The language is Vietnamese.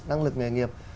năng lực nghề nghiệp